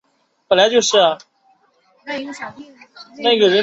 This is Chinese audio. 妳可以去试试看